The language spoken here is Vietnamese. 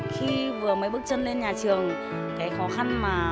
khi vừa mới bước chân lên nhà trường cái khó khăn mà tôi gặp phải